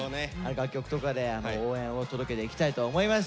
楽曲とかで応援を届けていきたいと思います。